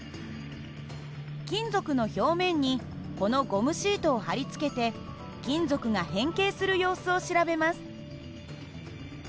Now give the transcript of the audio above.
金属の表面にこのゴムシートを貼り付けて金属が変形する様子を調べます。